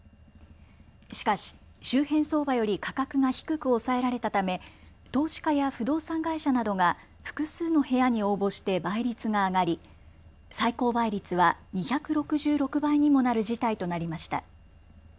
しかし周辺相場より価格が低く抑えられたため投資家や不動産会社などが複数の部屋に応募して倍率が上がり最高倍率は２６６倍にもなる事態となりました。